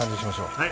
はい。